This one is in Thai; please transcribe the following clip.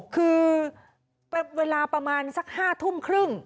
คือเวลาประมาณสัก๕ทุ่มครึ่ง